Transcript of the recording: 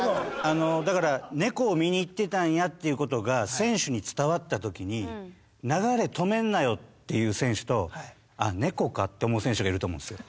あのだから猫を見に行ってたんやっていうことが選手に伝わった時に。っていう選手と。って思う選手がいると思うんですよ。